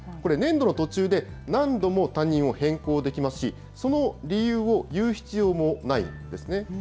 これ、年度の途中で何度も担任を変更できますし、その理由を言う必要もないんですね。